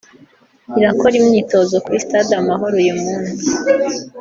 irakora imyitozo kuri Stade Amahoro uyu munsi